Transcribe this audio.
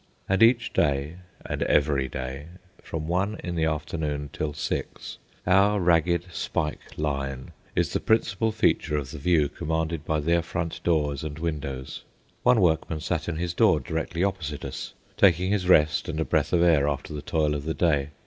And each day and every day, from one in the afternoon till six, our ragged spike line is the principal feature of the view commanded by their front doors and windows. One workman sat in his door directly opposite us, taking his rest and a breath of air after the toil of the day.